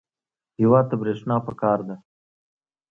هېواد ته برېښنا پکار ده